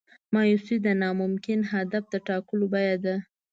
مایوسي د ناممکن هدف د ټاکلو بیه ده.